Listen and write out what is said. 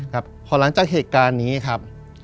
หลังจากเหตุการณ์นี้ครับ